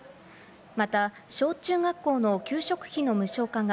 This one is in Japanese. また、小・中学校の給食費の無償化が、